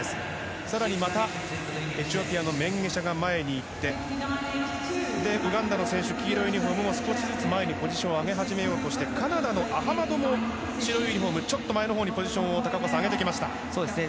更にまたエチオピアのメンゲシャが前に行ってウガンダの選手黄色いユニホームも少しずつ前にポジションを上げようとしていてカナダのアハマドも白いユニホームちょっと前のほうにポジションを高岡さん、上げてきました。